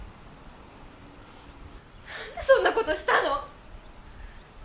何でそんなことしたの？